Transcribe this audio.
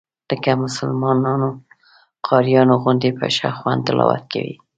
لکه مسلمانانو قاریانو غوندې په ښه خوند تلاوت کوي.